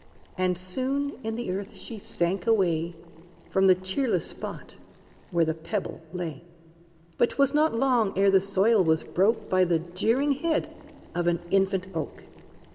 And soon in the earth she sank away From the cheerless spot where the Pebble lay. But 'twas not long ere the soil was broke By the jeering head of an infant oak!